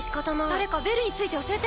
誰かベルについて教えて！